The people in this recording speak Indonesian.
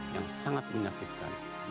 yang sangat menyakitkan